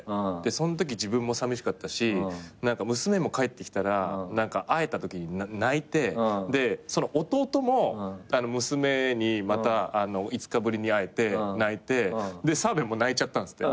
そんとき自分もさみしかったし娘も帰ってきたら会えたときに泣いて弟も娘にまた５日ぶりに会えて泣いて澤部も泣いちゃったんですって。